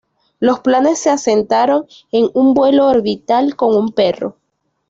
Los planes se asentaron en un vuelo orbital con un perro.